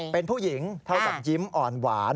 เป็นผู้หญิงเท่ากับยิ้มอ่อนหวาน